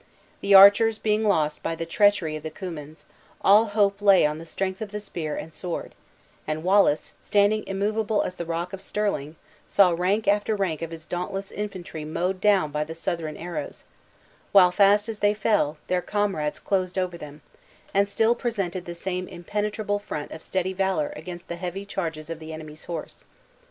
The archers being lost by the treachery of the Cummins, all hope lay on the strength of the spear and sword; and Wallace, standing immovable as the rock of Stirling, saw rank after rank of his dauntless infantry mowed down by the Southron arrows; while, fast as they fell, their comrades closed over them, and still presented the same impenetrable front of steady valor against the heavy charges of the enemy's horse.